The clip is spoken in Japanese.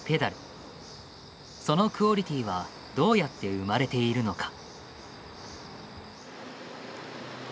そのクオリティーはどうやって生まれているのか？